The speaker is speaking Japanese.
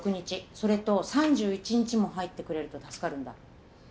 それと３１日も入ってくれると助かるんだ。